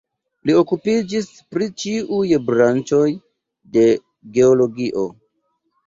Li okupiĝis pri ĉiuj branĉoj de geologio.